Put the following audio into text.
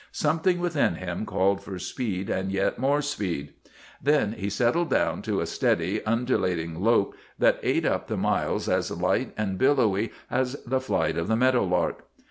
Something within him called for speed and yet more speed. Then he settled down to a steady, undulating lope that ate up the miles, as light and billowy as the flight of the meadow lark.